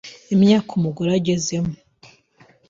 imyaka umugore agezemo